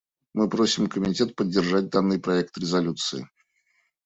Мы просим Комитет поддержать данный проект резолюции.